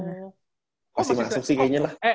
masih masuk sih kayaknya lah